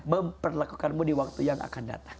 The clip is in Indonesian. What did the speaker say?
memperlakukanmu di waktu yang akan datang